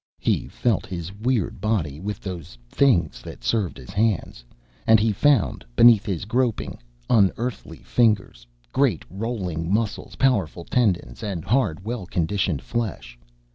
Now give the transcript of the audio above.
He felt his weird body with those things that served as hands, and he found, beneath his groping, unearthly fingers, great rolling muscles, powerful tendons, and hard, well conditioned flesh.